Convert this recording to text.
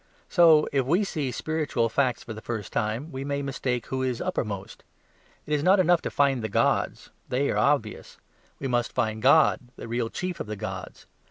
So, if we see spiritual facts for the first time, we may mistake who is uppermost. It is not enough to find the gods; they are obvious; we must find God, the real chief of the gods.